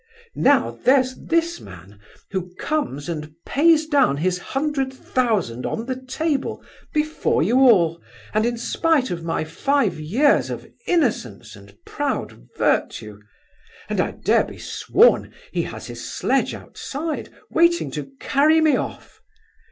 Now, there's this man, who comes and pays down his hundred thousand on the table, before you all, in spite of my five years of innocence and proud virtue, and I dare be sworn he has his sledge outside waiting to carry me off.